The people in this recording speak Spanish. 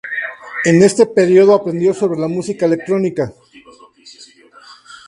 En este periodo aprendió sobre la música electrónica.